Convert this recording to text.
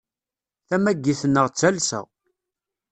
Tamagit-nneɣ d talsa.